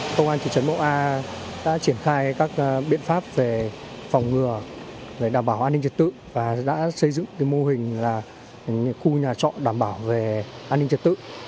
công an thị trấn mậu a đã triển khai các biện pháp về phòng ngừa đảm bảo an ninh trật tự và đã xây dựng mô hình là khu nhà trọ đảm bảo về an ninh trật tự